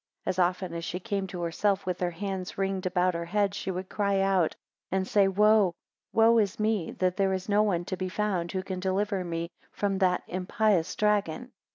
3 As often as she came to herself, with her hands wringed about her head she would cry out, and say, Wo, Wo is me, that there is no one to be found, who can deliver me from that impious dragon!